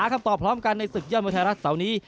ต้องต่อพร้อมกันในศึกยอดเมืองไทยรัฐเสาร์นี้